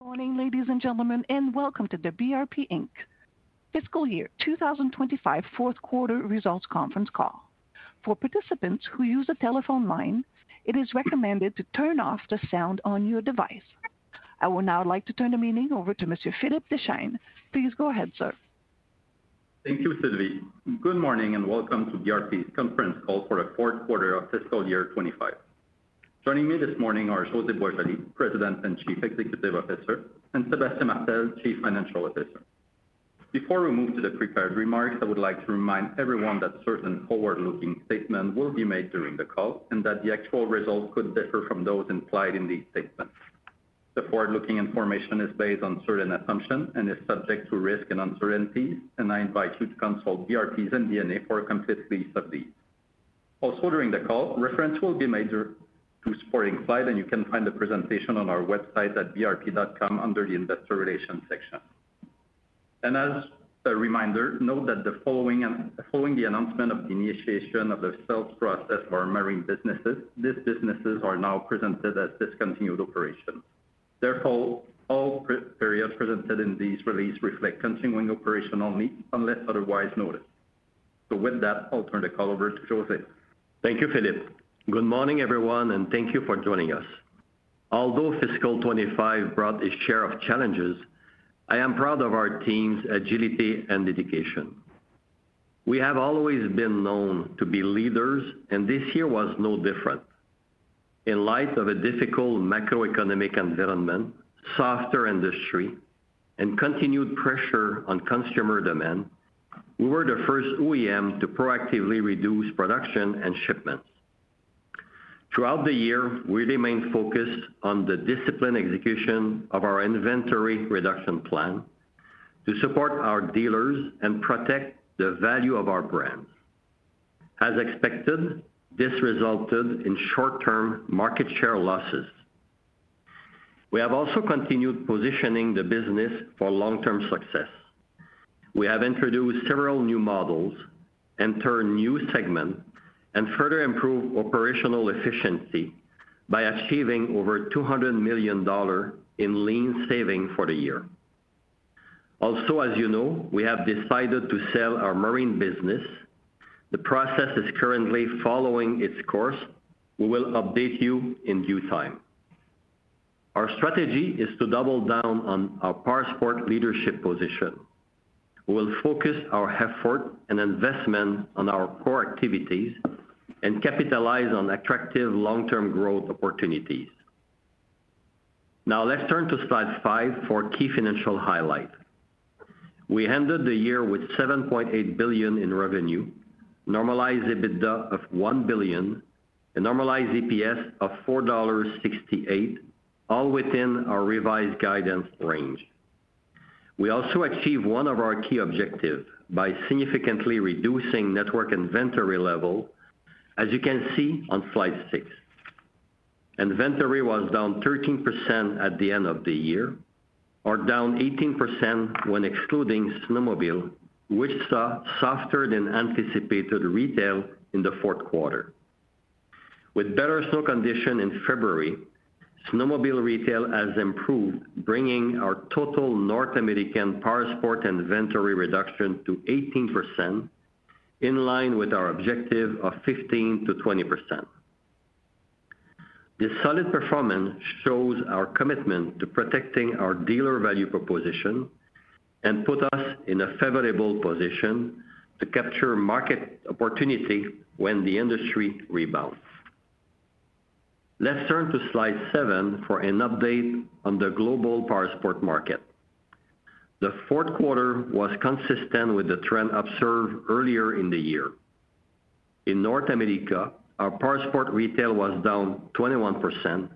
Good morning, ladies and gentlemen, and welcome to the BRP Fiscal Year 2025 Fourth Quarter Results Conference Call. For participants who use a telephone line, it is recommended to turn off the sound on your device. I would now like to turn the meeting over to Mr. Philippe Deschênes. Please go ahead, sir. Thank you, Sylvie. Good morning and welcome to BRP's conference call for the fourth quarter of Fiscal year 2025. Joining me this morning are José Boisjoli, President and Chief Executive Officer, and Sébastien Martel, Chief Financial Officer. Before we move to the prepared remarks, I would like to remind everyone that certain forward-looking statements will be made during the call and that the actual results could differ from those implied in these statements. The forward-looking information is based on certain assumptions and is subject to risk and uncertainties, and I invite you to consult BRP's MD&A for complete release of these. Also, during the call, reference will be made to the supporting slide, and you can find the presentation on our website at brp.com under the Investor Relations section. As a reminder, note that following the announcement of the initiation of the sales process for Marine businesses, these businesses are now presented as discontinued operations. Therefore, all periods presented in these releases reflect continuing operation only unless otherwise noted. With that, I'll turn the call over to José. Thank you, Philippe. Good morning, everyone, and thank you for joining us. Although Fiscal 2025 brought a share of challenges, I am proud of our team's agility and dedication. We have always been known to be leaders, and this year was no different. In light of a difficult macroeconomic environment, softer industry, and continued pressure on consumer demand, we were the first OEM to proactively reduce production and shipments. Throughout the year, we remained focused on the disciplined execution of our inventory reduction plan to support our dealers and protect the value of our brand. As expected, this resulted in short-term market share losses. We have also continued positioning the business for long-term success. We have introduced several new models, entered new segments, and further improved operational efficiency by achieving over $200 million in lean savings for the year. Also, as you know, we have decided to sell our Marine business. The process is currently following its course. We will update you in due time. Our strategy is to double down on our powersports leadership position. We will focus our effort and investment on our core activities and capitalize on attractive long-term growth opportunities. Now, let's turn to slide five for key financial highlights. We ended the year with $7.8 billion in revenue, normalized EBITDA of $1 billion, and normalized EPS of $4.68, all within our revised guidance range. We also achieved one of our key objectives by significantly reducing network inventory levels, as you can see on slide six. Inventory was down 13% at the end of the year, or down 18% when excluding snowmobile, which saw softer than anticipated retail in the fourth quarter. With better snow conditions in February, snowmobile retail has improved, bringing our total North American powersports inventory reduction to 18%, in line with our objective of 15%-20%. This solid performance shows our commitment to protecting our dealer value proposition and puts us in a favorable position to capture market opportunity when the industry rebounds. Let's turn to slide seven for an update on the global powersports market. The fourth quarter was consistent with the trend observed earlier in the year. In North America, our powersports retail was down 21%,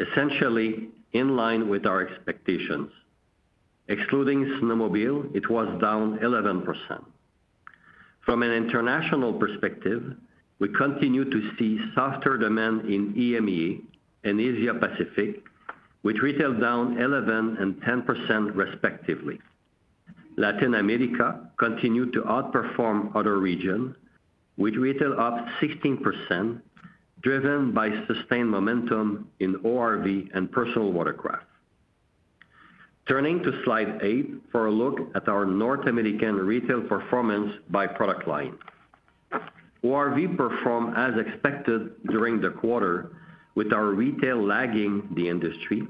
essentially in line with our expectations. Excluding snowmobile, it was down 11%. From an international perspective, we continue to see softer demand in EMEA and Asia Pacific, with retail down 11% and 10% respectively. Latin America continued to outperform other regions, with retail up 16%, driven by sustained momentum in ORV and personal watercraft. Turning to slide eight for a look at our North American retail performance by product line. ORV performed as expected during the quarter, with our retail lagging the industry,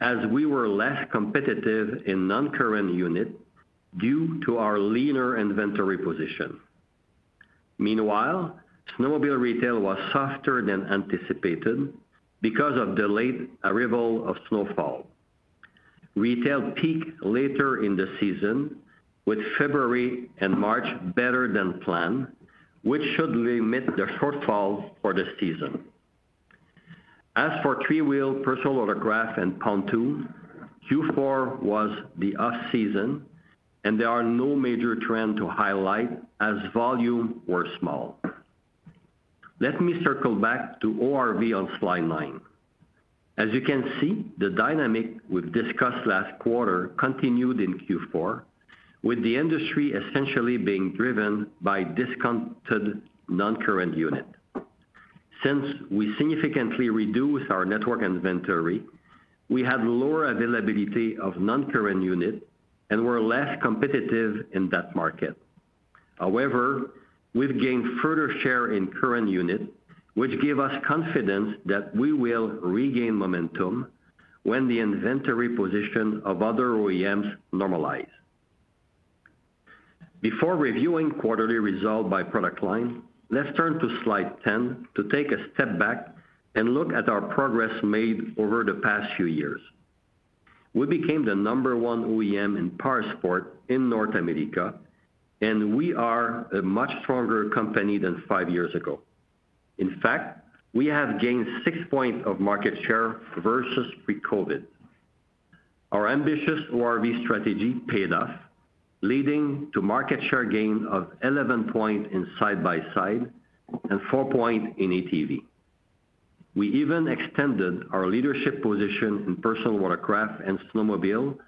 as we were less competitive in non-current units due to our leaner inventory position. Meanwhile, snowmobile retail was softer than anticipated because of the late arrival of snowfall. Retail peaked later in the season, with February and March better than planned, which should limit the shortfall for the season. As for three-wheel, personal watercraft, and pontoon, Q4 was the off-season, and there are no major trends to highlight as volumes were small. Let me circle back to ORV on slide nine. As you can see, the dynamic we've discussed last quarter continued in Q4, with the industry essentially being driven by discounted non-current units. Since we significantly reduced our network inventory, we had lower availability of non-current units and were less competitive in that market. However, we've gained further share in current units, which gives us confidence that we will regain momentum when the inventory position of other OEMs normalizes. Before reviewing quarterly results by product line, let's turn to slide 10 to take a step back and look at our progress made over the past few years. We became the number one OEM in powersports in North America, and we are a much stronger company than five years ago. In fact, we have gained six points of market share versus pre-COVID. Our ambitious ORV strategy paid off, leading to market share gains of 11 percentage points in side-by-side and four percentage points in ATV. We even extended our leadership position in personal watercraft and snowmobile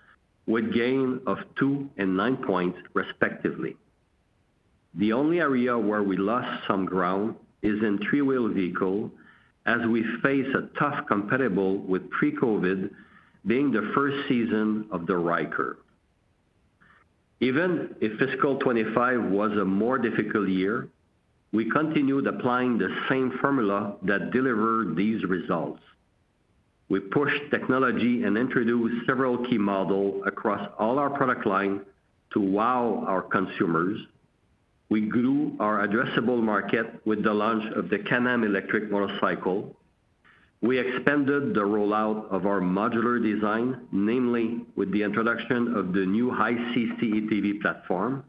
with gains of two and nine percentage points, respectively. The only area where we lost some ground is in three-wheel vehicles, as we face a tough competitor with pre-COVID being the first season of the rider. Even if Fiscal 2025 was a more difficult year, we continued applying the same formula that delivered these results. We pushed technology and introduced several key models across all our product lines to wow our consumers. We grew our addressable market with the launch of the Can-Am electric motorcycle. We expanded the rollout of our modular design, namely with the introduction of the new high-speed ATV platform.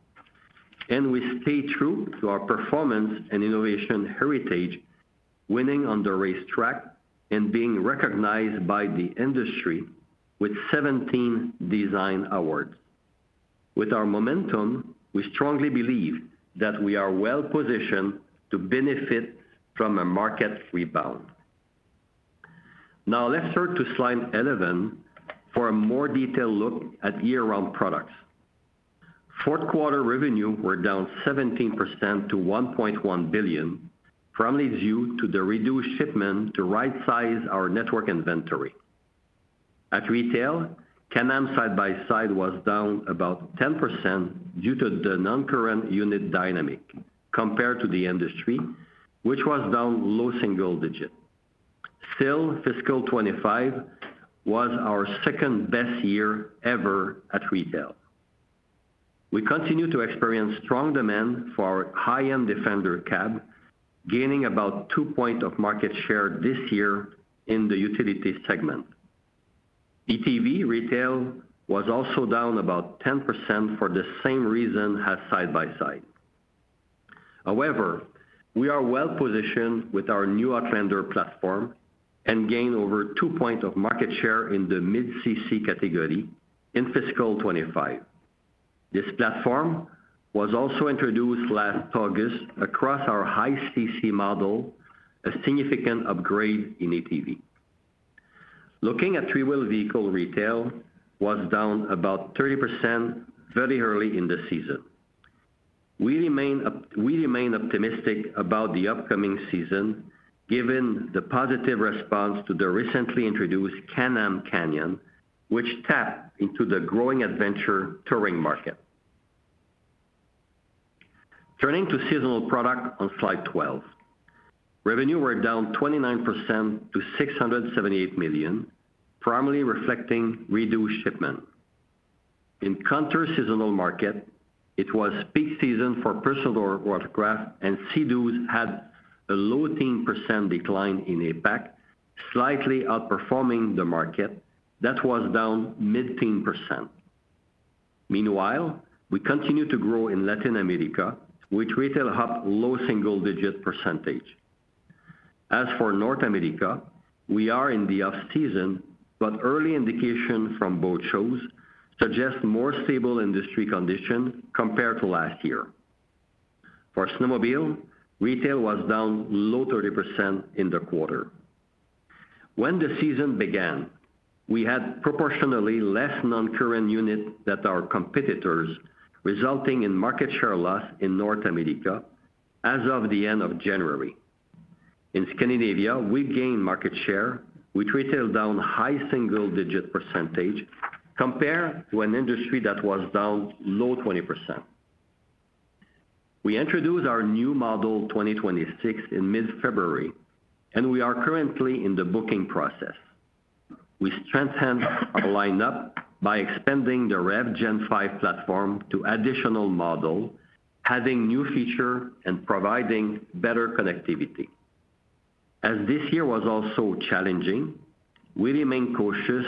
We stayed true to our performance and innovation heritage, winning on the racetrack and being recognized by the industry with 17 design awards. With our momentum, we strongly believe that we are well-positioned to benefit from a market rebound. Now, let's turn to slide 11 for a more detailed look at year-round products. Fourth quarter revenues were down 17% to $1.1 billion, primarily due to the reduced shipment to right-size our network inventory. At retail, Can-Am side-by-side was down about 10% due to the non-current unit dynamic compared to the industry, which was down low single digits. Still, Fiscal 2025 was our second best year ever at retail. We continue to experience strong demand for our high-end Defender Cab, gaining about two points of market share this year in the utility segment. ATV retail was also down about 10% for the same reason as side-by-side. However, we are well-positioned with our new Outlander platform and gained over two percentage points of market share in the mid-CC category in Fiscal 2025. This platform was also introduced last August across our high-CC model, a significant upgrade in ATV. Looking at three-wheel vehicle retail, it was down about 30% very early in the season. We remain optimistic about the upcoming season, given the positive response to the recently introduced Can-Am Canyon, which tapped into the growing adventure touring market. Turning to seasonal product on slide 12, revenues were down 29% to $678 million, primarily reflecting reduced shipment. In counter-seasonal market, it was peak season for personal watercraft, and Sea-Doos had a low 10% decline in APAC, slightly outperforming the market that was down 19%. Meanwhile, we continue to grow in Latin America, with retail up low single-digit percentage. As for North America, we are in the off-season, but early indications from boat shows suggest more stable industry conditions compared to last year. For snowmobile, retail was down low 30% in the quarter. When the season began, we had proportionally less non-current units than our competitors, resulting in market share loss in North America as of the end of January. In Scandinavia, we gained market share, with retail down high single-digit % compared to an industry that was down low 20%. We introduced our new model 2026 in mid-February, and we are currently in the booking process. We strengthened our lineup by expanding the REV Gen5 platform to additional models, adding new features, and providing better connectivity. As this year was also challenging, we remain cautious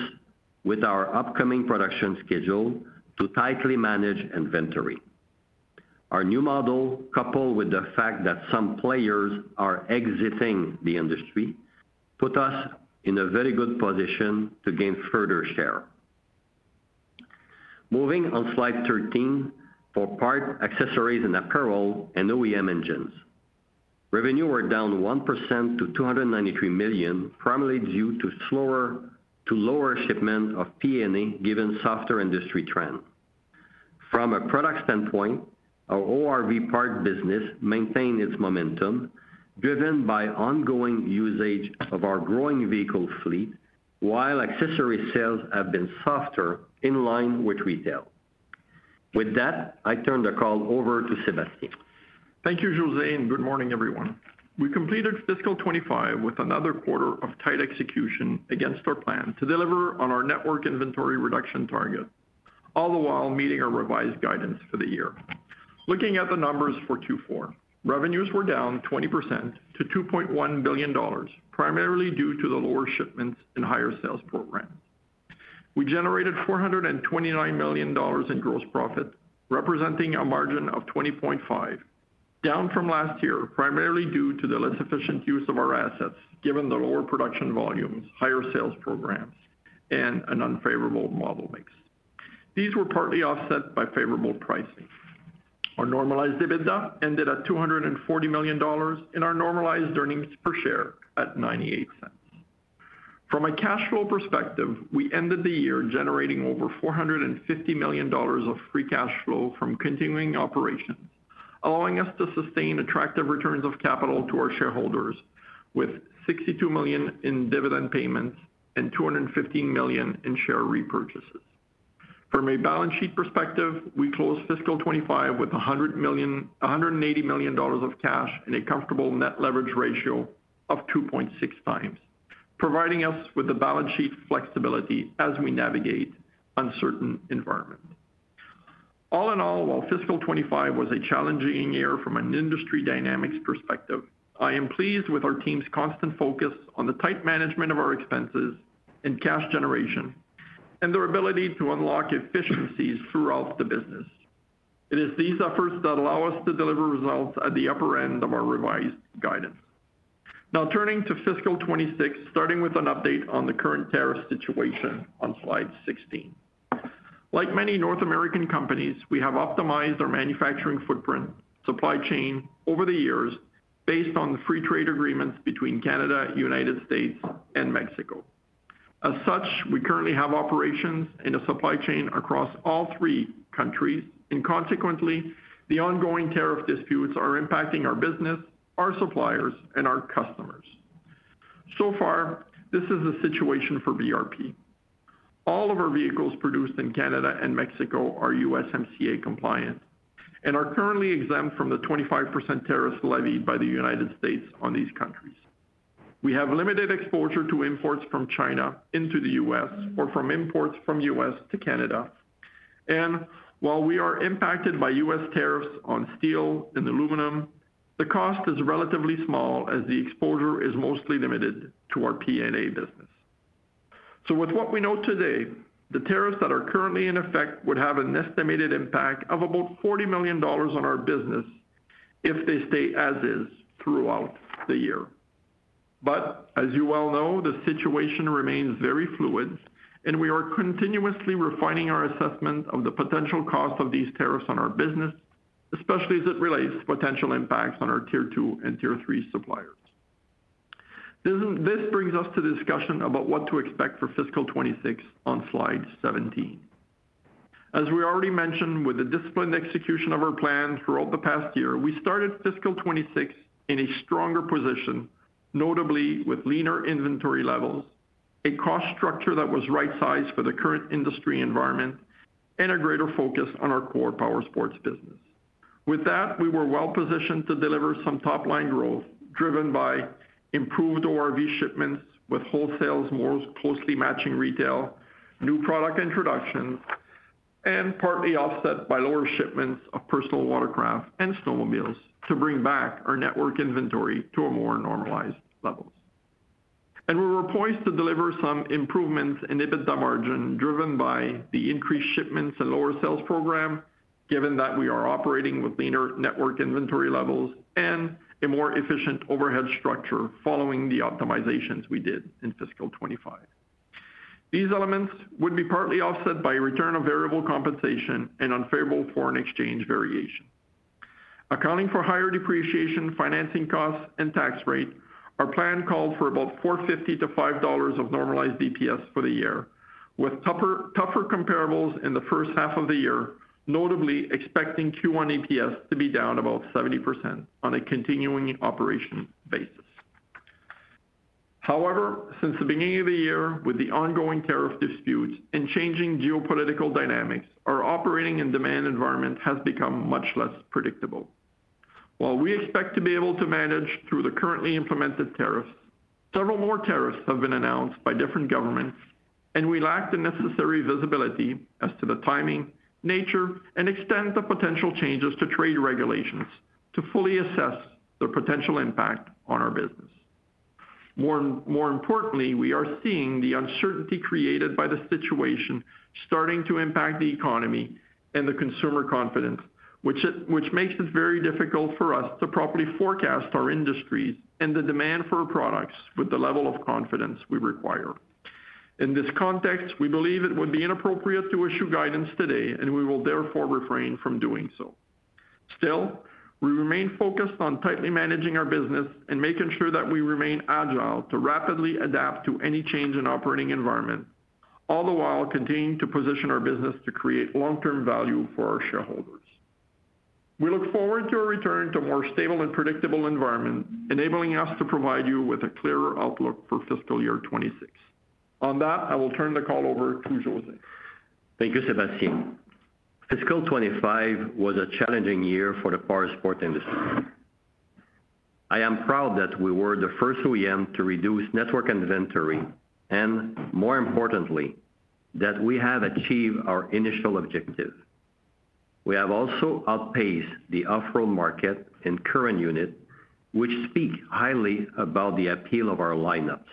with our upcoming production schedule to tightly manage inventory. Our new model, coupled with the fact that some players are exiting the industry, put us in a very good position to gain further share. Moving on slide 13, for parts, accessories, and apparel, and OEM engines, revenues were down 1% to $293 million, primarily due to slower to lower shipment of P&A, given softer industry trends. From a product standpoint, our ORV part business maintained its momentum, driven by ongoing usage of our growing vehicle fleet, while accessory sales have been softer in line with retail. With that, I turn the call over to Sébastien. Thank you, José. Good morning, everyone. We completed Fiscal 2025 with another quarter of tight execution against our plan to deliver on our network inventory reduction target, all the while meeting our revised guidance for the year. Looking at the numbers for Q4, revenues were down 20% to $2.1 billion, primarily due to the lower shipments and higher sales programs. We generated $429 million in gross profit, representing a margin of 20.5%, down from last year, primarily due to the less efficient use of our assets, given the lower production volumes, higher sales programs, and an unfavorable model mix. These were partly offset by favorable pricing. Our normalized EBITDA ended at $240 million and our normalized earnings per share at $0.98. From a cash flow perspective, we ended the year generating over $450 million of free cash flow from continuing operations, allowing us to sustain attractive returns of capital to our shareholders, with $62 million in dividend payments and $215 million in share repurchases. From a balance sheet perspective, we closed Fiscal 2025 with $180 million of cash and a comfortable net leverage ratio of 2.6 times, providing us with the balance sheet flexibility as we navigate uncertain environments. All in all, while Fiscal 2025 was a challenging year from an industry dynamics perspective, I am pleased with our team's constant focus on the tight management of our expenses and cash generation and their ability to unlock efficiencies throughout the business. It is these efforts that allow us to deliver results at the upper end of our revised guidance. Now, turning to Fiscal 2026, starting with an update on the current tariff situation on slide 16. Like many North American companies, we have optimized our manufacturing footprint, supply chain over the years based on the free trade agreements between Canada, the United States, and Mexico. As such, we currently have operations in a supply chain across all three countries, and consequently, the ongoing tariff disputes are impacting our business, our suppliers, and our customers. This is the situation for BRP. All of our vehicles produced in Canada and Mexico are USMCA compliant and are currently exempt from the 25% tariffs levied by the United States on these countries. We have limited exposure to imports from China into the U.S. or from imports from the U.S. to Canada. While we are impacted by U.S. tariffs on steel and aluminum, the cost is relatively small as the exposure is mostly limited to our P&A business. With what we know today, the tariffs that are currently in effect would have an estimated impact of about $40 million on our business if they stay as is throughout the year. As you well know, the situation remains very fluid, and we are continuously refining our assessment of the potential cost of these tariffs on our business, especially as it relates to potential impacts on our tier two and tier three suppliers. This brings us to the discussion about what to expect for Fiscal 2026 on slide 17. As we already mentioned, with the disciplined execution of our plan throughout the past year, we started Fiscal 2026 in a stronger position, notably with leaner inventory levels, a cost structure that was right-sized for the current industry environment, and a greater focus on our core powersports business. With that, we were well-positioned to deliver some top-line growth driven by improved ORV shipments with wholesales more closely matching retail, new product introductions, and partly offset by lower shipments of personal watercraft and snowmobiles to bring back our network inventory to more normalized levels. We were poised to deliver some improvements in EBITDA margin driven by the increased shipments and lower sales program, given that we are operating with leaner network inventory levels and a more efficient overhead structure following the optimizations we did in Fiscal 2025. These elements would be partly offset by return of variable compensation and unfavorable foreign exchange variation. Accounting for higher depreciation, financing costs, and tax rate, our plan called for about $4.50 to $5 of normalized EPS for the year, with tougher comparables in the first half of the year, notably expecting Q1 EPS to be down about 70% on a continuing operation basis. However, since the beginning of the year, with the ongoing tariff disputes and changing geopolitical dynamics, our operating and demand environment has become much less predictable. While we expect to be able to manage through the currently implemented tariffs, several more tariffs have been announced by different governments, and we lack the necessary visibility as to the timing, nature, and extent of potential changes to trade regulations to fully assess the potential impact on our business. More importantly, we are seeing the uncertainty created by the situation starting to impact the economy and the consumer confidence, which makes it very difficult for us to properly forecast our industries and the demand for products with the level of confidence we require. In this context, we believe it would be inappropriate to issue guidance today, and we will therefore refrain from doing so. Still, we remain focused on tightly managing our business and making sure that we remain agile to rapidly adapt to any change in operating environment, all the while continuing to position our business to create long-term value for our shareholders. We look forward to a return to a more stable and predictable environment, enabling us to provide you with a clearer outlook for Fiscal Year 2026. On that, I will turn the call over to José. Thank you, Sébastien. Fiscal 2025 was a challenging year for the powersports industry. I am proud that we were the first OEM to reduce network inventory and, more importantly, that we have achieved our initial objective. We have also outpaced the off-road market and current unit, which speak highly about the appeal of our lineups.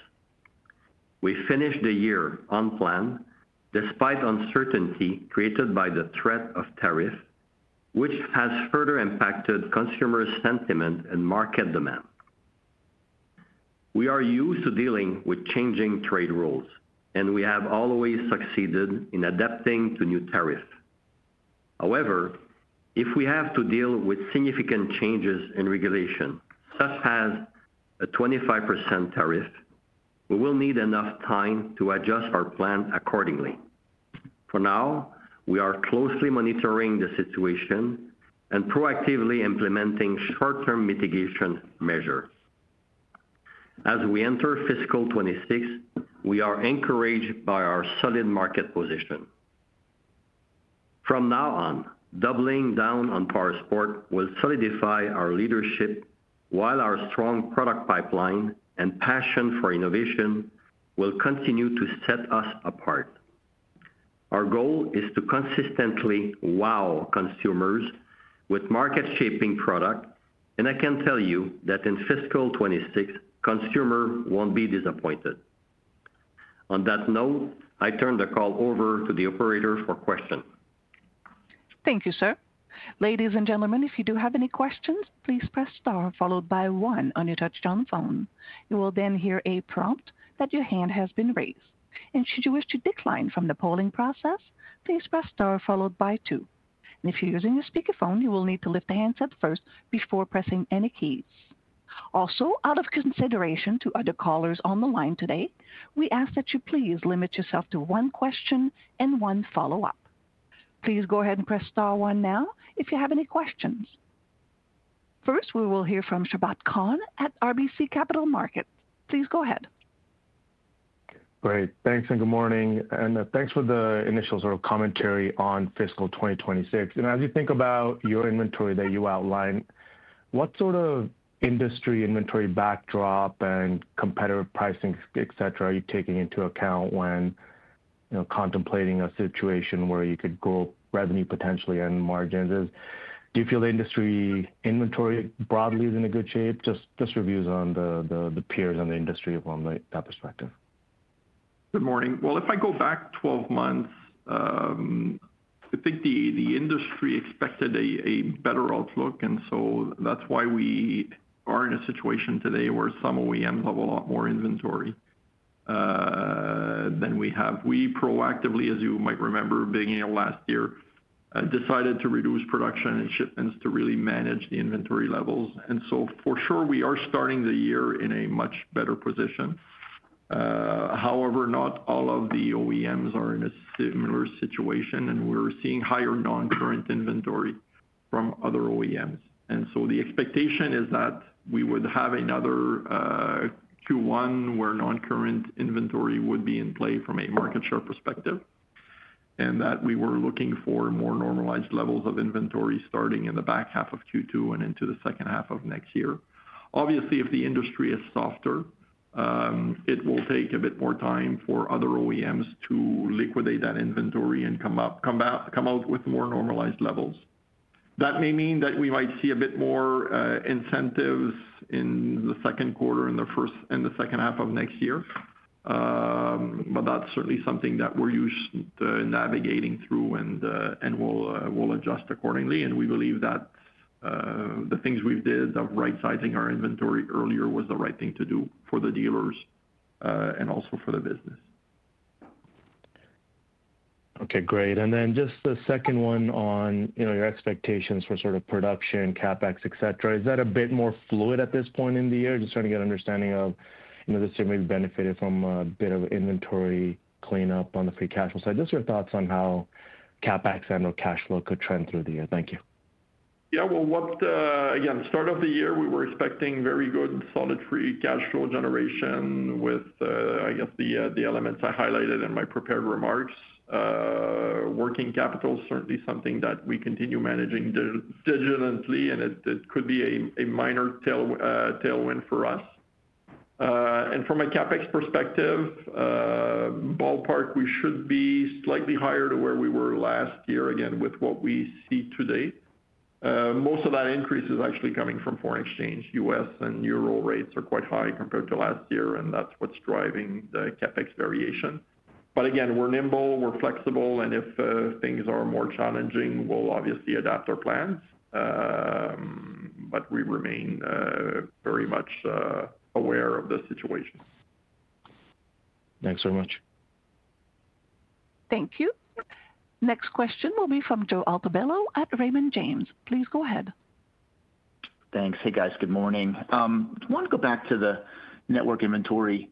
We finished the year on plan, despite uncertainty created by the threat of tariff, which has further impacted consumer sentiment and market demand. We are used to dealing with changing trade rules, and we have always succeeded in adapting to new tariffs. However, if we have to deal with significant changes in regulation, such as a 25% tariff, we will need enough time to adjust our plan accordingly. For now, we are closely monitoring the situation and proactively implementing short-term mitigation measures. As we enter Fiscal 2026, we are encouraged by our solid market position. From now on, doubling down on powersports will solidify our leadership, while our strong product pipeline and passion for innovation will continue to set us apart. Our goal is to consistently wow consumers with market-shaping products, and I can tell you that in Fiscal 2026, consumers will not be disappointed. On that note, I turn the call over to the operator for questions. Thank you, sir. Ladies and gentlemen, if you do have any questions, please press star, followed by one on your touch-tone phone. You will then hear a prompt that your hand has been raised. Should you wish to decline from the polling process, please press star, followed by two. If you are using a speakerphone, you will need to lift the handset first before pressing any keys. Also, out of consideration to other callers on the line today, we ask that you please limit yourself to one question and one follow-up. Please go ahead and press star one now if you have any questions. First, we will hear from Sabahat Khan at RBC Capital Markets. Please go ahead. Great. Thanks and good morning. Thanks for the initial sort of commentary on Fiscal 2026. As you think about your inventory that you outlined, what sort of industry inventory backdrop and competitive pricing, etc., are you taking into account when contemplating a situation where you could grow revenue potentially and margins? Do you feel the industry inventory broadly is in a good shape? Just reviews on the peers in the industry from that perspective. Good morning. If I go back 12 months, I think the industry expected a better outlook. That is why we are in a situation today where some OEMs have a lot more inventory than we have. We proactively, as you might remember, beginning of last year, decided to reduce production and shipments to really manage the inventory levels. For sure, we are starting the year in a much better position. However, not all of the OEMs are in a similar situation, and we're seeing higher non-current inventory from other OEMs. The expectation is that we would have another Q1 where non-current inventory would be in play from a market share perspective and that we were looking for more normalized levels of inventory starting in the back half of Q2 and into the second half of next year. Obviously, if the industry is softer, it will take a bit more time for other OEMs to liquidate that inventory and come out with more normalized levels. That may mean that we might see a bit more incentives in the second quarter and the second half of next year. That is certainly something that we're used to navigating through and we'll adjust accordingly. We believe that the things we did of right-sizing our inventory earlier was the right thing to do for the dealers and also for the business. Okay, great. Just the second one on your expectations for sort of production, CapEx, etc., is that a bit more fluid at this point in the year? Just trying to get an understanding of this year maybe benefited from a bit of inventory cleanup on the free cash flow side. Just your thoughts on how CapEx and/or cash flow could trend through the year. Thank you. Yeah, again, start of the year, we were expecting very good, solid free cash flow generation with, I guess, the elements I highlighted in my prepared remarks. Working capital is certainly something that we continue managing diligently, and it could be a minor tailwind for us. From a CapEx perspective, ballpark, we should be slightly higher to where we were last year, again, with what we see today. Most of that increase is actually coming from foreign exchange. U.S. and euro rates are quite high compared to last year, and that is what is driving the CapEx variation. Again, we are nimble, we are flexible, and if things are more challenging, we will obviously adapt our plans. We remain very much aware of the situation. Thanks very much. Thank you. Next question will be from Joe Altobello at Raymond James. Please go ahead. Thanks. Hey, guys, good morning. I want to go back to the network inventory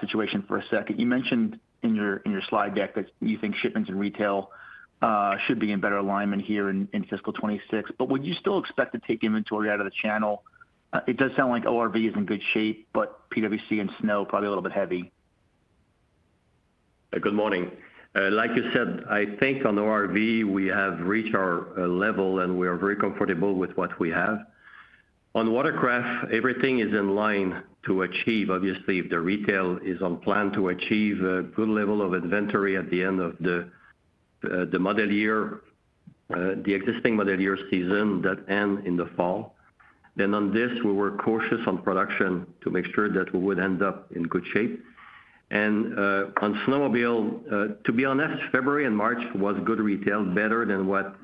situation for a second. You mentioned in your slide deck that you think shipments and retail should be in better alignment here in Fiscal 2026. Would you still expect to take inventory out of the channel? It does sound like ORV is in good shape, but PWC and Snow probably a little bit heavy. Good morning. Like you said, I think on ORV, we have reached our level, and we are very comfortable with what we have. On watercraft, everything is in line to achieve. Obviously, if the retail is on plan to achieve a good level of inventory at the end of the model year, the existing model year season, that ends in the fall. On this, we were cautious on production to make sure that we would end up in good shape. On snowmobile, to be honest, February and March was good retail, better than what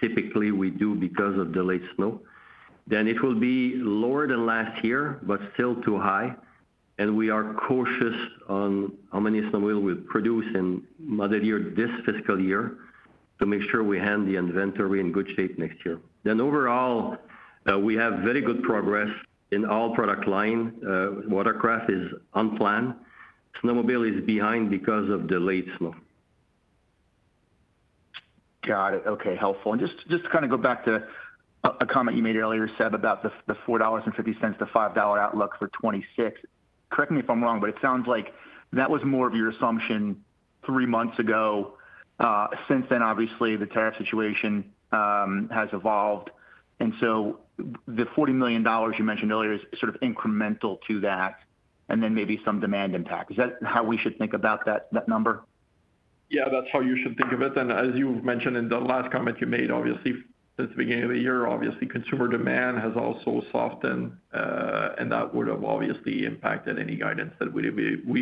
typically we do because of the late snow. It will be lower than last year, but still too high. We are cautious on how many snowmobiles we produce in model year this fiscal year to make sure we hand the inventory in good shape next year. Overall, we have very good progress in all product lines. Watercraft is on plan. Snowmobile is behind because of the late snow. Got it. Okay, helpful. Just to kind of go back to a comment you made earlier, Seb, about the $4.50-$5 outlook for 2026. Correct me if I'm wrong, but it sounds like that was more of your assumption three months ago. Since then, obviously, the tariff situation has evolved. The $40 million you mentioned earlier is sort of incremental to that and then maybe some demand impact. Is that how we should think about that number? Yeah, that's how you should think of it. As you mentioned in the last comment you made, obviously, at the beginning of the year, obviously, consumer demand has also softened, and that would have obviously impacted any guidance that we,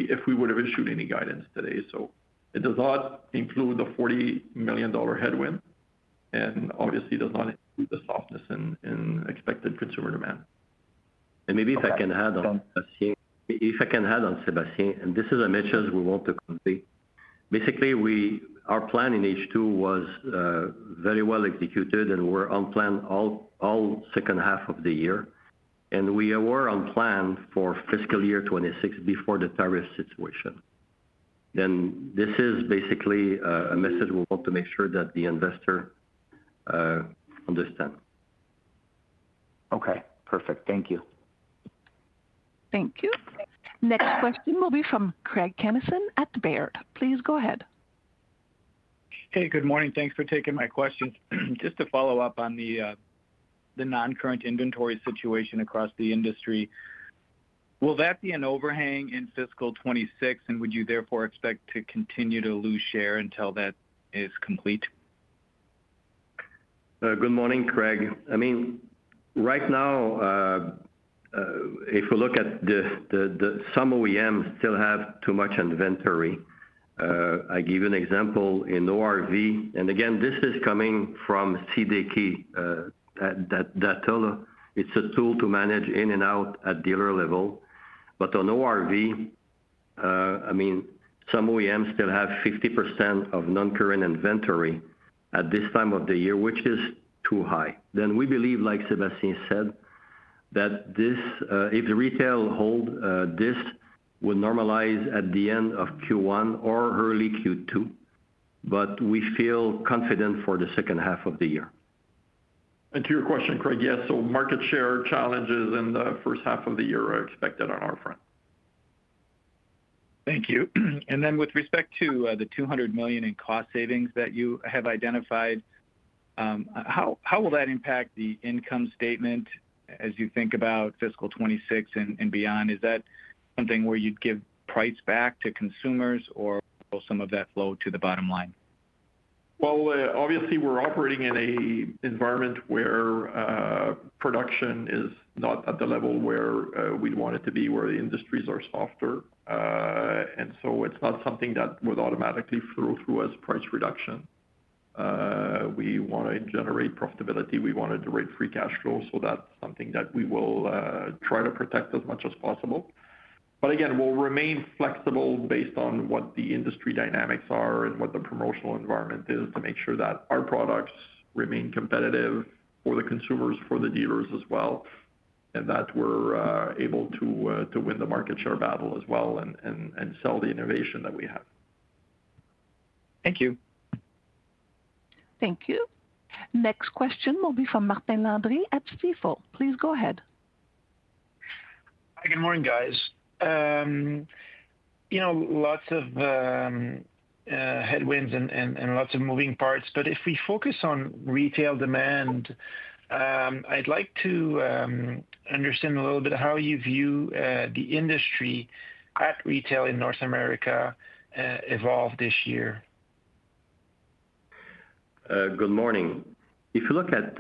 if we would have issued any guidance today. It does not include the $40 million headwind and obviously does not include the softness in expected consumer demand. Maybe if I can add on Sébastien, if I can add on Sébastien, and this is a matches we want to complete. Basically, our plan in H2 was very well executed, and we were on plan all second half of the year. We were on plan for fiscal year 2026 before the tariff situation. This is basically a message we want to make sure that the investor understands. Okay, perfect. Thank you. Thank you. Next question will be from Craig Kennison at Baird. Please go ahead. Hey, good morning. Thanks for taking my question. Just to follow up on the non-current inventory situation across the industry, will that be an overhang in Fiscal 2026, and would you therefore expect to continue to lose share until that is complete? Good morning, Craig. I mean, right now, if we look at the some OEMs still have too much inventory. I give you an example in ORV. Again, this is coming from CDK data. It's a tool to manage in and out at dealer level. On ORV, I mean, some OEMs still have 50% of non-current inventory at this time of the year, which is too high. We believe, like Sébastien said, that if the retail hold, this will normalize at the end of Q1 or early Q2. We feel confident for the second half of the year. To your question, Craig, yes. Market share challenges in the first half of the year are expected on our front. Thank you. With respect to the $200 million in cost savings that you have identified, how will that impact the income statement as you think about Fiscal 2026 and beyond? Is that something where you'd give price back to consumers or some of that flow to the bottom line? Obviously, we're operating in an environment where production is not at the level where we'd want it to be, where the industries are softer. It is not something that would automatically flow through as price reduction. We want to generate profitability. We want to generate free cash flow. That is something that we will try to protect as much as possible. Again, we'll remain flexible based on what the industry dynamics are and what the promotional environment is to make sure that our products remain competitive for the consumers, for the dealers as well, and that we're able to win the market share battle as well and sell the innovation that we have. Thank you. Thank you. Next question will be from Martin Landry at Stifel. Please go ahead. Hi, good morning, guys. Lots of headwinds and lots of moving parts. If we focus on retail demand, I'd like to understand a little bit how you view the industry at retail in North America evolved this year. Good morning. If you look at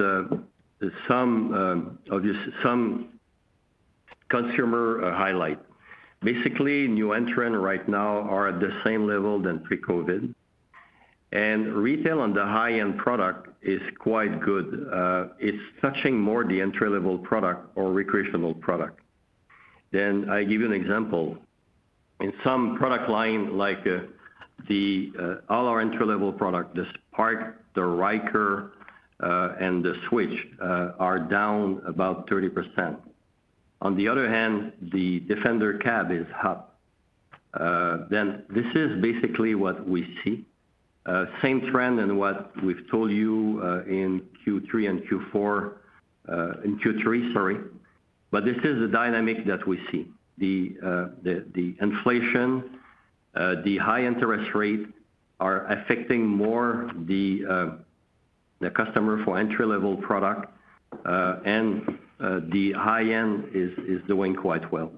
some consumer highlight, basically, new entrant right now are at the same level than pre-COVID. Retail on the high-end product is quite good. It's touching more the entry-level product or recreational product. I give you an example. In some product line, like all our entry-level product, the Spark, the Ryker, and the Switch are down about 30%. On the other hand, the Defender Cab is up. This is basically what we see. Same trend in what we've told you in Q3 and Q4, in Q3, sorry. This is the dynamic that we see. The inflation, the high interest rate are affecting more the customer for entry-level product, and the high-end is doing quite well.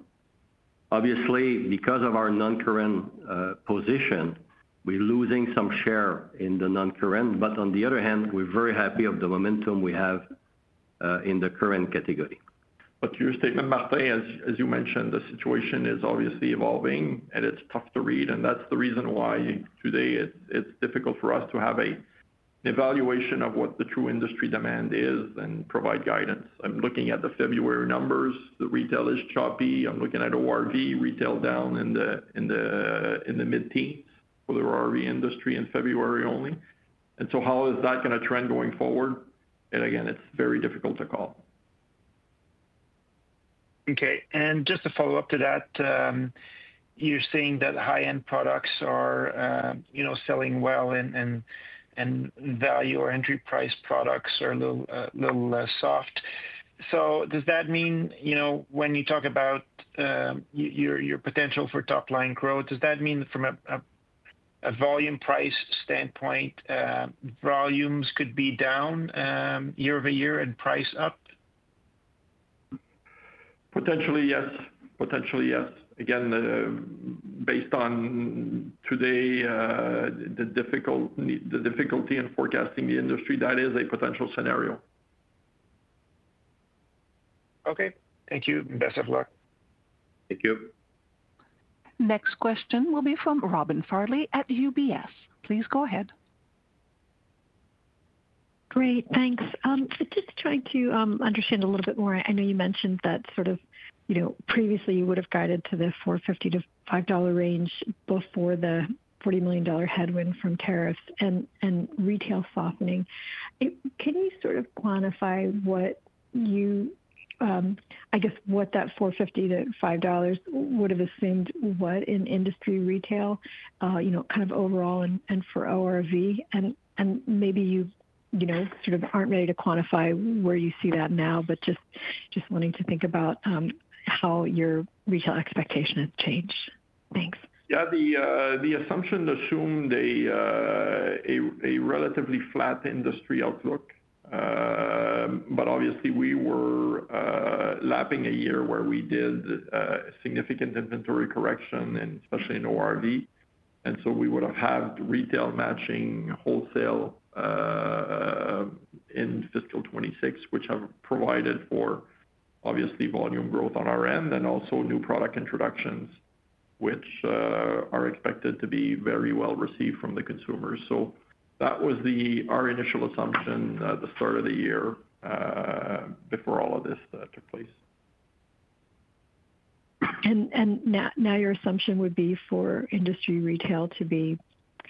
Obviously, because of our non-current position, we're losing some share in the non-current. On the other hand, we're very happy of the momentum we have in the current category. To your statement, Martin, as you mentioned, the situation is obviously evolving, and it's tough to read. That's the reason why today it's difficult for us to have an evaluation of what the true industry demand is and provide guidance. I'm looking at the February numbers. The retail is choppy. I'm looking at ORV, retail down in the mid-teens for the ORV industry in February only. How is that going to trend going forward? Again, it's very difficult to call. Okay. Just to follow up to that, you're saying that high-end products are selling well and value or entry-price products are a little less soft. Does that mean when you talk about your potential for top-line growth, does that mean from a volume price standpoint, volumes could be down year over year and price up? Potentially, yes. Potentially, yes. Again, based on today, the difficulty in forecasting the industry, that is a potential scenario. Okay. Thank you. Best of luck. Thank you. Next question will be from Robin Farley at UBS. Please go ahead. Great. Thanks. Just trying to understand a little bit more. I know you mentioned that sort of previously you would have guided to the $4.50-$5 range before the $40 million headwind from tariffs and retail softening. Can you sort of quantify what you, I guess, what that $4.50-$5 would have assumed what in industry retail kind of overall and for ORV? Maybe you sort of aren't ready to quantify where you see that now, but just wanting to think about how your retail expectation has changed. Thanks. Yeah, the assumption assumed a relatively flat industry outlook. Obviously, we were lapping a year where we did significant inventory correction, especially in ORV. We would have had retail matching wholesale in Fiscal 2026, which would have provided for volume growth on our end and also new product introductions, which are expected to be very well received from the consumers. That was our initial assumption at the start of the year before all of this took place. Now your assumption would be for industry retail to be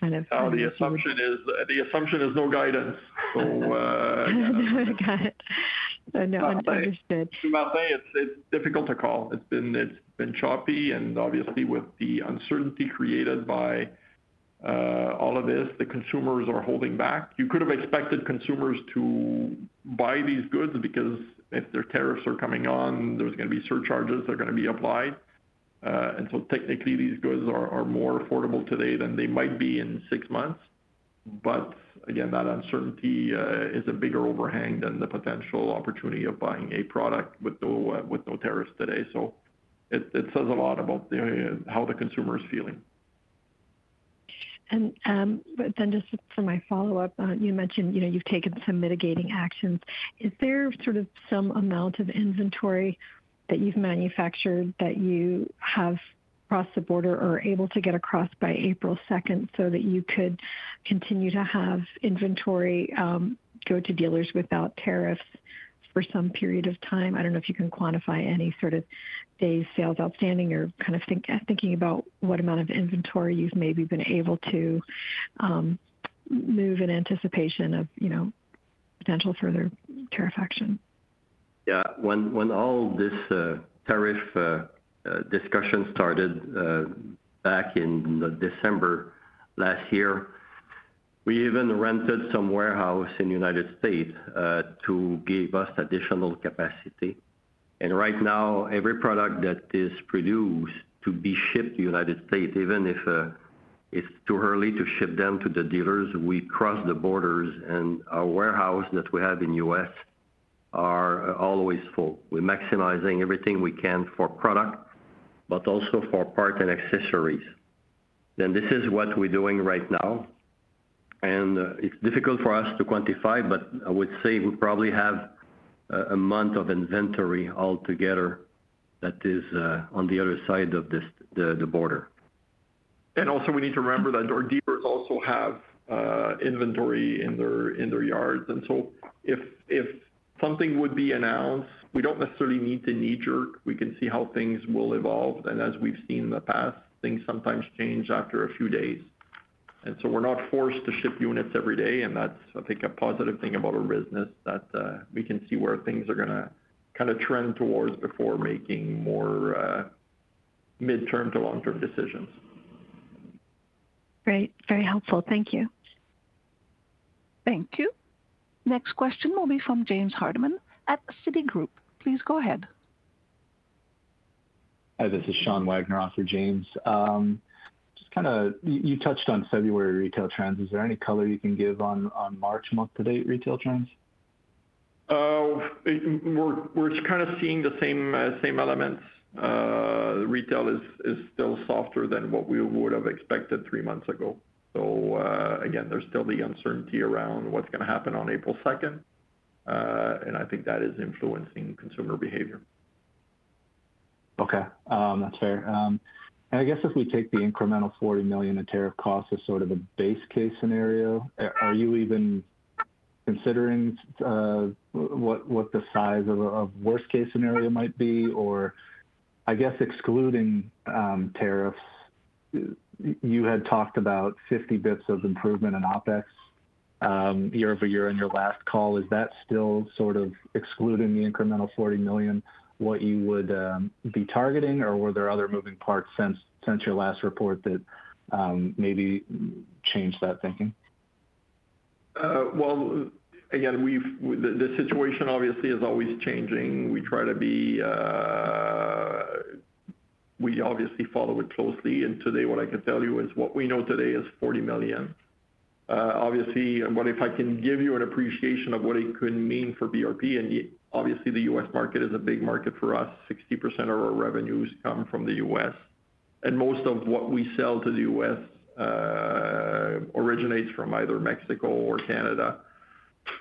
kind of. The assumption is no guidance. I got it. No, understood. It's difficult to call. It's been choppy. Obviously, with the uncertainty created by all of this, the consumers are holding back. You could have expected consumers to buy these goods because if their tariffs are coming on, there are going to be surcharges that are going to be applied. Technically, these goods are more affordable today than they might be in six months. Again, that uncertainty is a bigger overhang than the potential opportunity of buying a product with no tariffs today. It says a lot about how the consumer is feeling. Just for my follow-up, you mentioned you've taken some mitigating actions. Is there sort of some amount of inventory that you've manufactured that you have crossed the border or are able to get across by April 2 so that you could continue to have inventory go to dealers without tariffs for some period of time? I don't know if you can quantify any sort of days sales outstanding or kind of thinking about what amount of inventory you've maybe been able to move in anticipation of potential further tariff action. Yeah. When all this tariff discussion started back in December last year, we even rented some warehouse in the United States to give us additional capacity. Right now, every product that is produced to be shipped to the United States, even if it's too early to ship them to the dealers, we cross the borders, and our warehouse that we have in the U.S. are always full. We're maximizing everything we can for product, but also for parts and accessories. This is what we're doing right now. It's difficult for us to quantify, but I would say we probably have a month of inventory altogether that is on the other side of the border. We need to remember that our dealers also have inventory in their yards. If something would be announced, we don't necessarily need to knee-jerk. We can see how things will evolve. As we've seen in the past, things sometimes change after a few days. We're not forced to ship units every day. That's, I think, a positive thing about our business that we can see where things are going to kind of trend towards before making more midterm to long-term decisions. Great. Very helpful. Thank you. Thank you. Next question will be from James Hardiman at Citigroup. Please go ahead. Hi, this is Sean Wagner, for James. Just kind of you touched on February retail trends. Is there any color you can give on March month-to-date retail trends? We're kind of seeing the same elements. Retail is still softer than what we would have expected three months ago. There is still the uncertainty around what's going to happen on April 2nd. I think that is influencing consumer behavior. Okay. That's fair. I guess if we take the incremental $40 million in tariff costs as sort of a base case scenario, are you even considering what the size of a worst-case scenario might be? I guess excluding tariffs, you had talked about 50 basis points of improvement in OpEx year over year on your last call. Is that still sort of excluding the incremental $40 million what you would be targeting? Or were there other moving parts since your last report that maybe changed that thinking? The situation obviously is always changing. We try to be, we obviously follow it closely. Today, what I can tell you is what we know today is $40 million. Obviously, if I can give you an appreciation of what it could mean for BRP, the U.S. market is a big market for us. 60% of our revenues come from the U.S. Most of what we sell to the U.S. originates from either Mexico or Canada.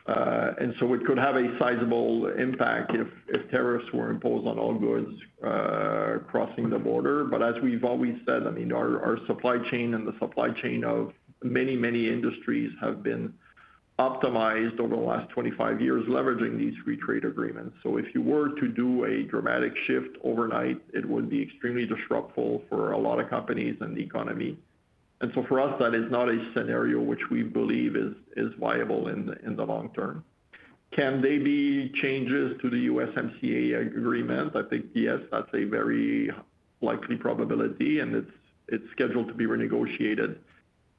It could have a sizable impact if tariffs were imposed on all goods crossing the border. As we've always said, I mean, our supply chain and the supply chain of many, many industries have been optimized over the last 25 years leveraging these free trade agreements. If you were to do a dramatic shift overnight, it would be extremely disruptive for a lot of companies and the economy. For us, that is not a scenario which we believe is viable in the long term. Can there be changes to the USMCA agreement? I think, yes, that's a very likely probability. It is scheduled to be renegotiated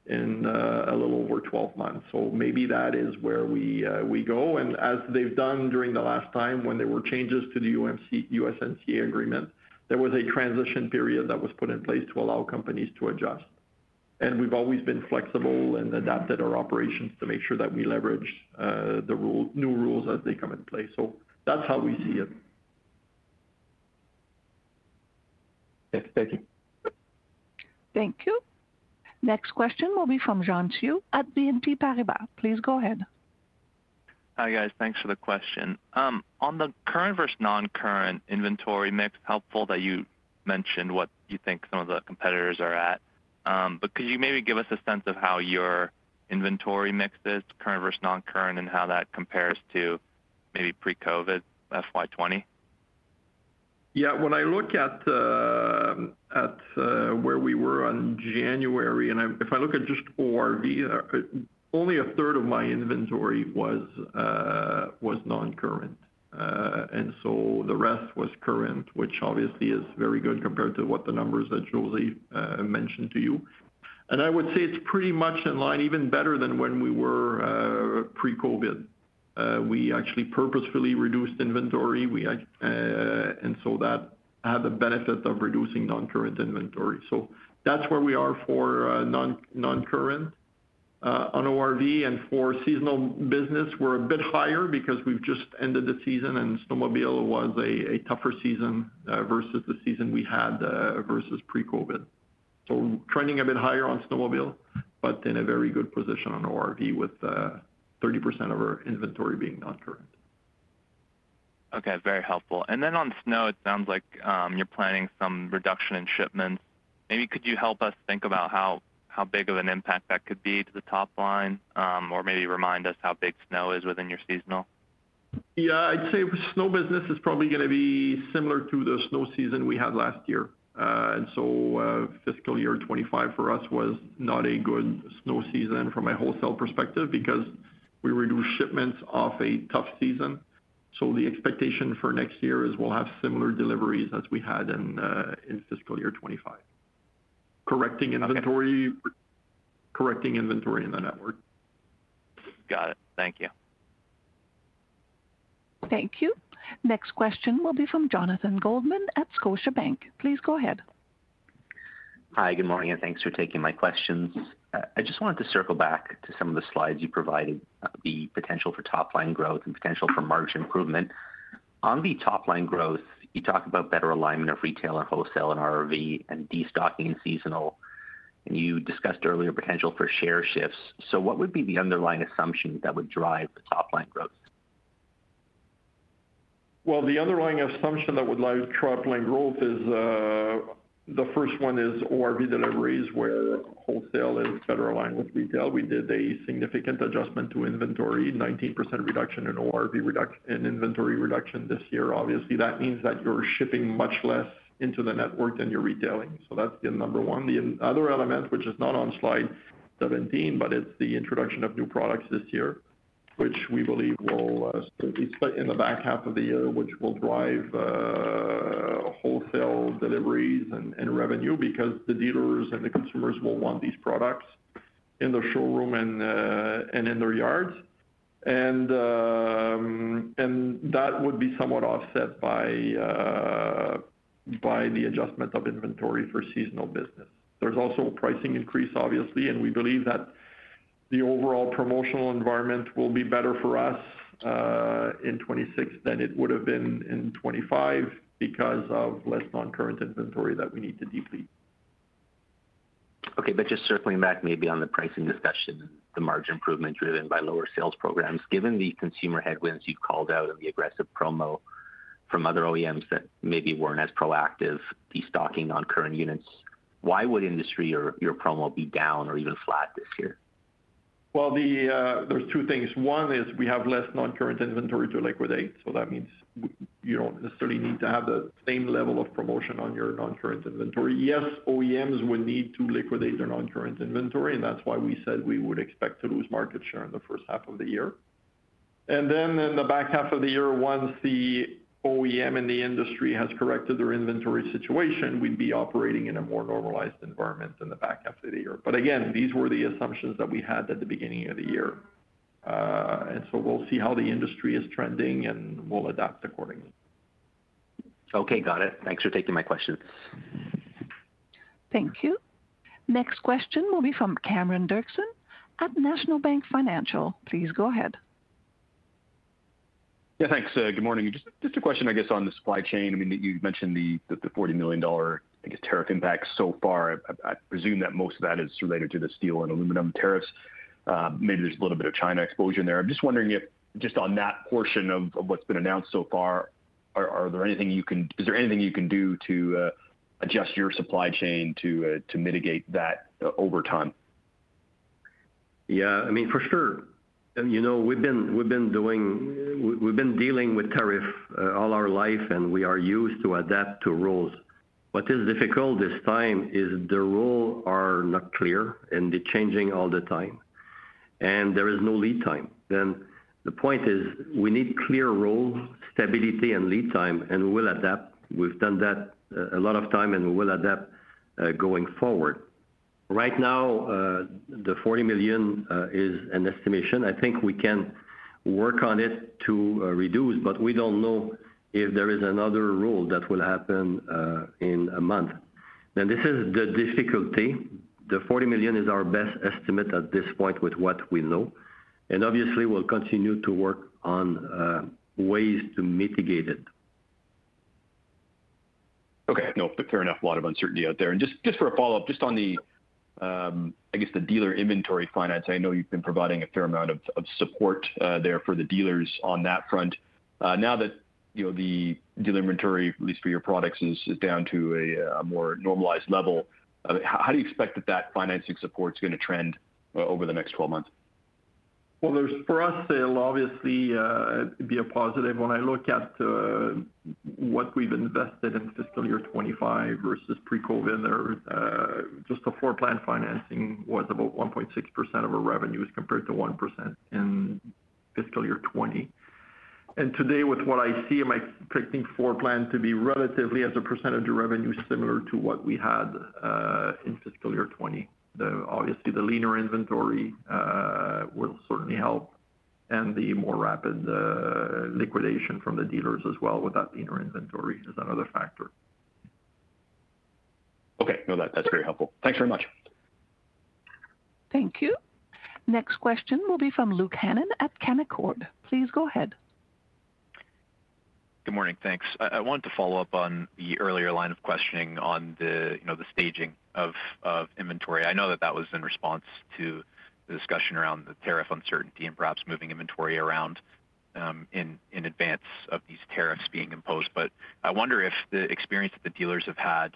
in a little over 12 months. Maybe that is where we go. As they've done during the last time when there were changes to the USMCA agreement, there was a transition period that was put in place to allow companies to adjust. We have always been flexible and adapted our operations to make sure that we leverage the new rules as they come in place. That is how we see it. Thank you. Thank you. Next question will be from Xian Siew at BNP Paribas. Please go ahead. Hi, guys. Thanks for the question. On the current versus non-current inventory mix, helpful that you mentioned what you think some of the competitors are at. Could you maybe give us a sense of how your inventory mix is, current versus non-current, and how that compares to maybe pre-COVID fiscal year 2020? Yeah. When I look at where we were in January, and if I look at just ORV, only a third of my inventory was non-current. The rest was current, which obviously is very good compared to what the numbers that José mentioned to you. I would say it's pretty much in line, even better than when we were pre-COVID. We actually purposefully reduced inventory. That had the benefit of reducing non-current inventory. That's where we are for non-current. On ORV and for seasonal business, we're a bit higher because we've just ended the season, and snowmobile was a tougher season versus the season we had versus pre-COVID. Trending a bit higher on snowmobile, but in a very good position on ORV with 30% of our inventory being non-current. Okay. Very helpful. On snow, it sounds like you're planning some reduction in shipments. Maybe could you help us think about how big of an impact that could be to the top line or maybe remind us how big snow is within your seasonal? Yeah. I'd say snow business is probably going to be similar to the snow season we had last year. Fiscal year 2025 for us was not a good snow season from a wholesale perspective because we reduced shipments off a tough season. The expectation for next year is we'll have similar deliveries as we had in fiscal year 2025, correcting inventory in the network. Got it. Thank you. Thank you. Next question will be from Jonathan Goldman at Scotiabank. Please go ahead. Hi, good morning, and thanks for taking my questions. I just wanted to circle back to some of the slides you provided, the potential for top-line growth and potential for margin improvement. On the top-line growth, you talked about better alignment of retail and wholesale and ORV and destocking in seasonal. You discussed earlier potential for share shifts. What would be the underlying assumption that would drive the top-line growth? The underlying assumption that would drive top-line growth is the first one is ORV deliveries where wholesale is better aligned with retail. We did a significant adjustment to inventory, 19% reduction in ORV in inventory reduction this year. Obviously, that means that you're shipping much less into the network than you're retailing. That's the number one. The other element, which is not on slide 17, but it's the introduction of new products this year, which we believe will be in the back half of the year, which will drive wholesale deliveries and revenue because the dealers and the consumers will want these products in their showroom and in their yards. That would be somewhat offset by the adjustment of inventory for seasonal business. There's also a pricing increase, obviously, and we believe that the overall promotional environment will be better for us in 2026 than it would have been in 2025 because of less non-current inventory that we need to deplete. Okay. Just circling back maybe on the pricing discussion and the margin improvement driven by lower sales programs, given the consumer headwinds you've called out and the aggressive promo from other OEMs that maybe were not as proactive, destocking non-current units, why would industry or your promo be down or even flat this year? There are two things. One is we have less non-current inventory to liquidate. That means you do not necessarily need to have the same level of promotion on your non-current inventory. Yes, OEMs would need to liquidate their non-current inventory. That is why we said we would expect to lose market share in the first half of the year. In the back half of the year, once the OEM and the industry have corrected their inventory situation, we would be operating in a more normalized environment in the back half of the year. Again, these were the assumptions that we had at the beginning of the year. We will see how the industry is trending, and we will adapt accordingly. Okay. Got it. Thanks for taking my questions. Thank you. Next question will be from Cameron Doerksen at National Bank Financial. Please go ahead. Yeah. Thanks. Good morning. Just a question, I guess, on the supply chain. I mean, you mentioned the $40 million, I guess, tariff impact so far. I presume that most of that is related to the steel and aluminum tariffs. Maybe there's a little bit of China exposure there. I'm just wondering if just on that portion of what's been announced so far, is there anything you can do to adjust your supply chain to mitigate that over time? Yeah. I mean, for sure. We've been dealing with tariffs all our life, and we are used to adapt to rules. What is difficult this time is the rules are not clear, and they're changing all the time. There is no lead time. The point is we need clear rules, stability, and lead time, and we will adapt. We've done that a lot of times, and we will adapt going forward. Right now, the $40 million is an estimation. I think we can work on it to reduce, but we don't know if there is another rule that will happen in a month. This is the difficulty. The $40 million is our best estimate at this point with what we know. Obviously, we'll continue to work on ways to mitigate it. No, fair enough. A lot of uncertainty out there. Just for a follow-up, just on the, I guess, the dealer inventory finance, I know you've been providing a fair amount of support there for the dealers on that front. Now that the dealer inventory, at least for your products, is down to a more normalized level, how do you expect that that financing support is going to trend over the next 12 months? For us, it'll obviously be a positive. When I look at what we've invested in fiscal year 2025 versus pre-COVID, just the floor plan financing was about 1.6% of our revenues compared to 1% in fiscal year 2020. Today, with what I see, I'm expecting floor plan to be relatively as a percentage of revenue similar to what we had in fiscal year 2020. Obviously, the leaner inventory will certainly help, and the more rapid liquidation from the dealers as well with that leaner inventory is another factor. Okay. No, that's very helpful. Thanks very much. Thank you. Next question will be from Luke Hannan at Canaccord. Please go ahead. Good morning. Thanks. I wanted to follow up on the earlier line of questioning on the staging of inventory. I know that that was in response to the discussion around the tariff uncertainty and perhaps moving inventory around in advance of these tariffs being imposed. I wonder if the experience that the dealers have had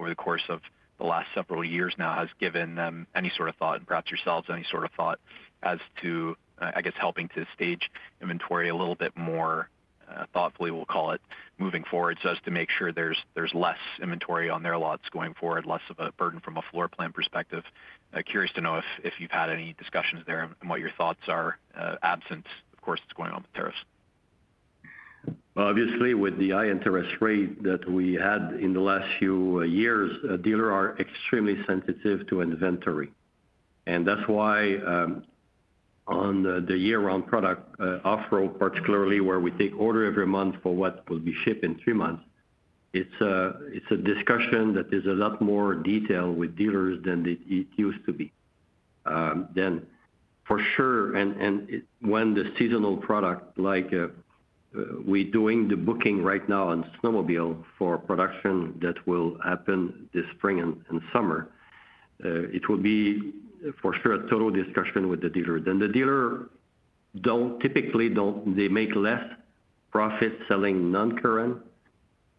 over the course of the last several years now has given them any sort of thought, and perhaps yourselves any sort of thought as to, I guess, helping to stage inventory a little bit more thoughtfully, we'll call it, moving forward, so as to make sure there's less inventory on their lots going forward, less of a burden from a floor plan perspective. Curious to know if you've had any discussions there and what your thoughts are absent, of course, it's going on with tariffs. Obviously, with the high interest rate that we had in the last few years, dealers are extremely sensitive to inventory. That is why on the year-round product, off-road particularly, where we take order every month for what will be shipped in three months, it is a discussion that is a lot more detailed with dealers than it used to be. For sure, when the seasonal product, like we are doing the booking right now on snowmobile for production that will happen this spring and summer, it will be for sure a total discussion with the dealer. The dealer typically does not, they make less profit selling non-current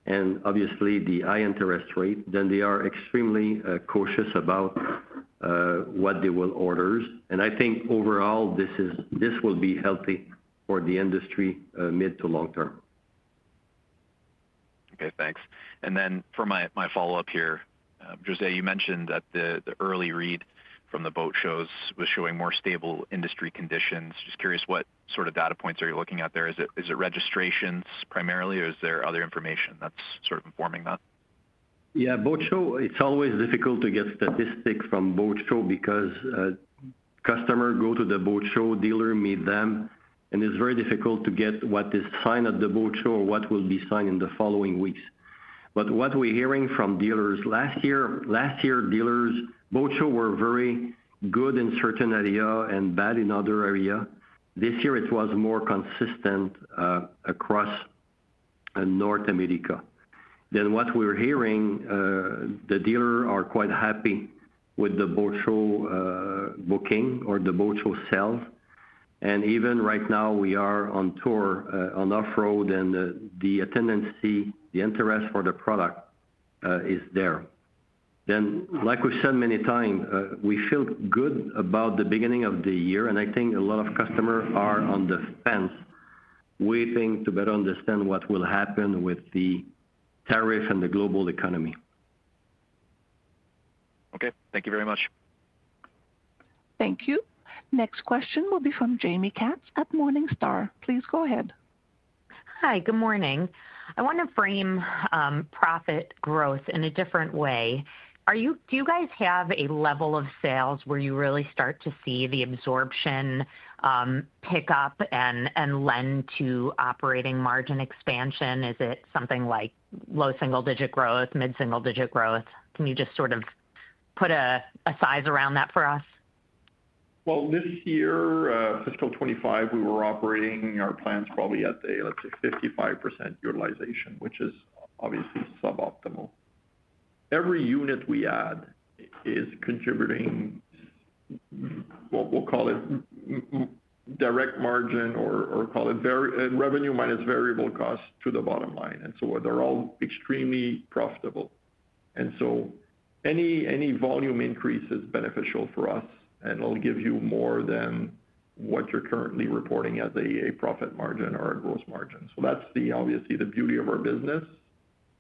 and obviously the high interest rate, so they are extremely cautious about what they will order. I think overall this will be healthy for the industry mid to long term. Okay. Thanks. For my follow-up here, José, you mentioned that the early read from the boat shows was showing more stable industry conditions. Just curious what sort of data points are you looking at there? Is it registrations primarily, or is there other information that's sort of informing that? Yeah. Boat show, it's always difficult to get statistics from boat show because customers go to the boat show, dealers meet them, and it's very difficult to get what is signed at the boat show or what will be signed in the following weeks. What we're hearing from dealers last year, last year dealers' boat show were very good in certain area and bad in other area. This year it was more consistent across North America. What we're hearing, the dealers are quite happy with the boat show booking or the boat show sales. Even right now we are on tour, on off-road, and the attendancy, the interest for the product is there. Like we've said many times, we feel good about the beginning of the year, and I think a lot of customers are on the fence, waiting to better understand what will happen with the tariff and the global economy. Okay. Thank you very much. Thank you. Next question will be from Jaime Katz at Morningstar. Please go ahead. Hi. Good morning. I want to frame profit growth in a different way. Do you guys have a level of sales where you really start to see the absorption pick up and lend to operating margin expansion? Is it something like low single-digit growth, mid-single-digit growth? Can you just sort of put a size around that for us? This year, Fiscal 2025, we were operating our plants probably at a, let's say, 55% utilization, which is obviously suboptimal. Every unit we add is contributing, we'll call it direct margin or call it revenue minus variable cost to the bottom line. They're all extremely profitable. Any volume increase is beneficial for us, and it'll give you more than what you're currently reporting as a profit margin or a gross margin. That's obviously the beauty of our business.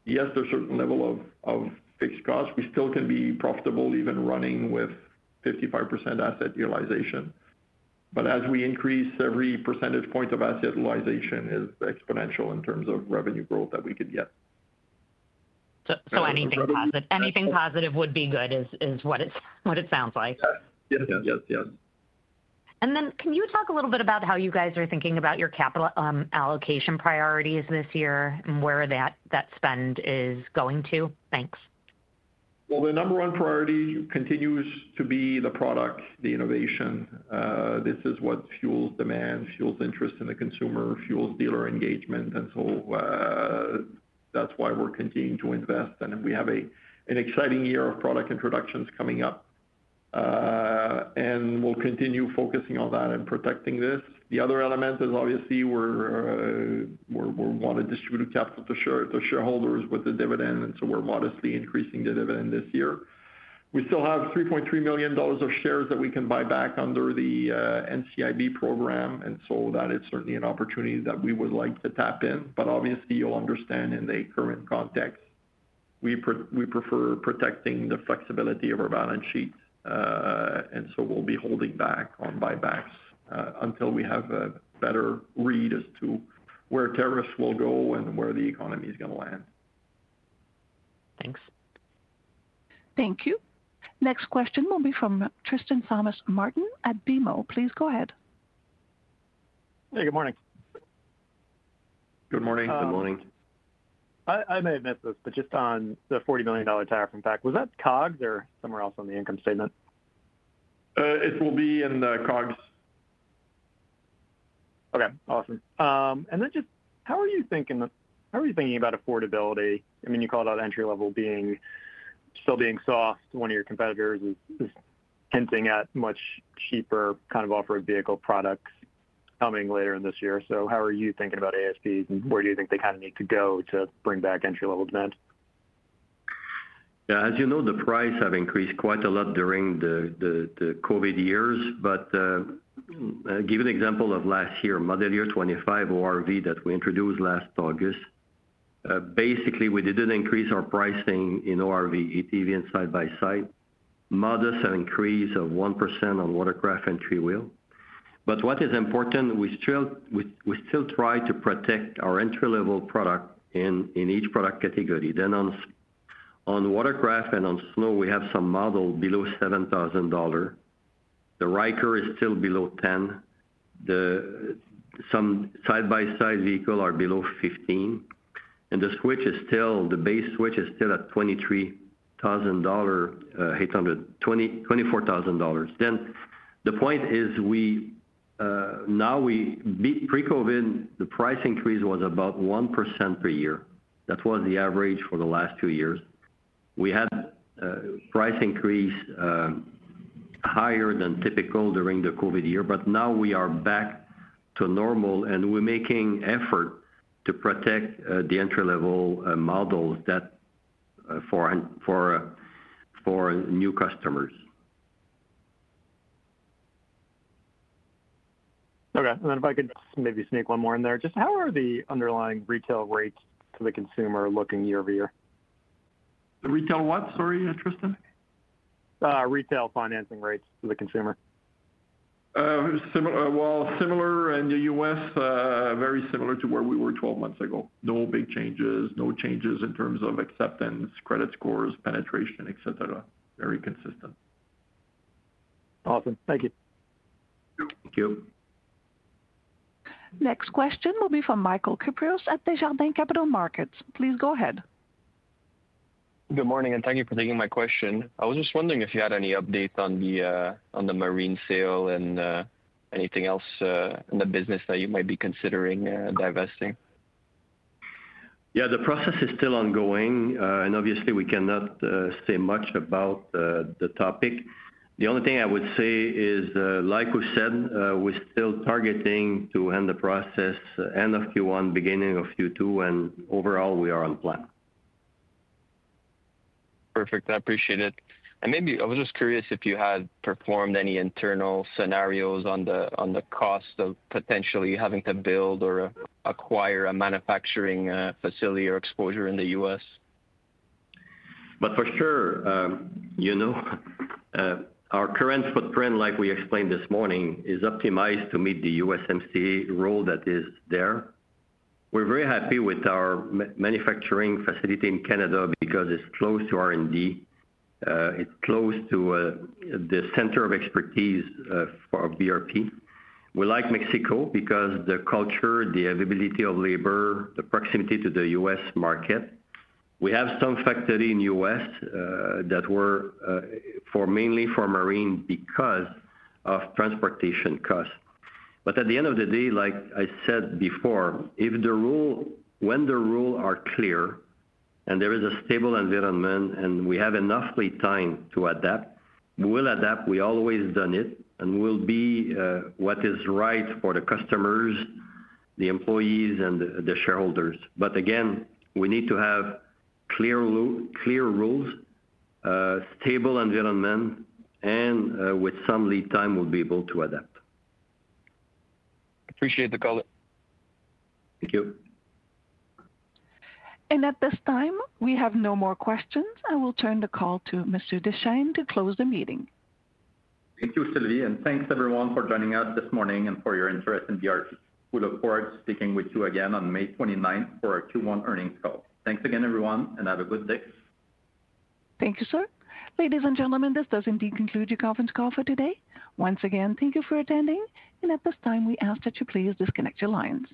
Yes, there's a certain level of fixed cost. We still can be profitable even running with 55% asset utilization. As we increase, every percentage point of asset utilization is exponential in terms of revenue growth that we could get. Anything positive would be good is what it sounds like. Yes. Yes. Yes. Yes. Can you talk a little bit about how you guys are thinking about your capital allocation priorities this year and where that spend is going to? Thanks. The number one priority continues to be the product, the innovation. This is what fuels demand, fuels interest in the consumer, fuels dealer engagement. That is why we are continuing to invest. We have an exciting year of product introductions coming up. We will continue focusing on that and protecting this. The other element is obviously we want to distribute capital to shareholders with a dividend. We are modestly increasing the dividend this year. We still have $3.3 million of shares that we can buy back under the NCIB program. That is certainly an opportunity that we would like to tap in. Obviously, you will understand in the current context, we prefer protecting the flexibility of our balance sheet. We'll be holding back on buybacks until we have a better read as to where tariffs will go and where the economy is going to land. Thanks. Thank you. Next question will be from Tristan Thomas-Martin at BMO. Please go ahead. Hey. Good morning. Good morning. Good morning. I may have missed this, but just on the $40 million tariff impact, was that COGS or somewhere else on the income statement? It will be in the COGS. Okay. Awesome. How are you thinking about affordability? I mean, you called out entry-level still being soft. One of your competitors is hinting at much cheaper kind of off-road vehicle products coming later in this year. How are you thinking about ASPs, and where do you think they kind of need to go to bring back entry-level demand? Yeah. As you know, the price has increased quite a lot during the COVID years. To give you an example of last year, model year 2025, ORV that we introduced last August. Basically, we did not increase our pricing in ORV, ATV and side-by-side. Modest increase of 1% on watercraft and three-wheel. What is important, we still try to protect our entry-level product in each product category. On watercraft and on snow, we have some models below $7,000. The Ryker is still below $10,000. Some side-by-side vehicles are below $15,000. The Switch, the base Switch, is still at $23,000-$24,000. The point is, pre-COVID, the price increase was about 1% per year. That was the average. For the last two years, we had price increases higher than typical during the COVID year. Now we are back to normal, and we're making effort to protect the entry-level models for new customers. Okay. If I could just maybe sneak one more in there, just how are the underlying retail rates to the consumer looking year over year? The retail what, sorry, Tristan? Retail financing rates to the consumer. Similar in the U.S., very similar to where we were 12 months ago. No big changes. No changes in terms of acceptance, credit scores, penetration, etc. Very consistent. Awesome. Thank you. Thank you. Next question will be from Michael Kypreos at Desjardins Capital Markets. Please go ahead. Good morning, and thank you for taking my question. I was just wondering if you had any updates on the Marine sale and anything else in the business that you might be considering divesting. Yeah. The process is still ongoing, and obviously, we cannot say much about the topic. The only thing I would say is, like we said, we're still targeting to end the process end of Q1, beginning of Q2, and overall we are on plan. Perfect. I appreciate it. Maybe I was just curious if you had performed any internal scenarios on the cost of potentially having to build or acquire a manufacturing facility or exposure in the U.S. For sure, our current footprint, like we explained this morning, is optimized to meet the USMCA rule that is there. We're very happy with our manufacturing facility in Canada because it's close to R&D. It's close to the center of expertise of BRP. We like Mexico because the culture, the availability of labor, the proximity to the U.S. market. We have some factory in the U.S. that were mainly for Marine because of transportation costs. At the end of the day, like I said before, when the rules are clear and there is a stable environment and we have enough lead time to adapt, we will adapt. We always done it, and we'll be what is right for the customers, the employees, and the shareholders. We need to have clear rules, stable environment, and with some lead time, we'll be able to adapt. Appreciate the call. Thank you. At this time, we have no more questions. I will turn the call to Mr. Deschênes to close the meeting. Thank you, Sylvie, and thanks everyone for joining us this morning and for your interest in BRP. We look forward to speaking with you again on May 29th for our Q1 earnings call. Thanks again, everyone, and have a good day. Thank you, sir. Ladies and gentlemen, this does indeed conclude your conference call for today. Once again, thank you for attending. At this time, we ask that you please disconnect your lines.